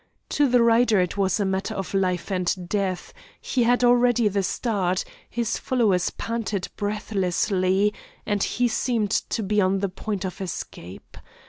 To the rider it was a matter of life and death; he had already the start, his followers panted breathlessly, and he seemed to be on the point of escape.